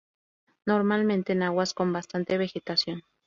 Normalmente en aguas con bastante vegetación.